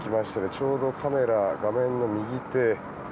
ちょうどカメラ画面の右手。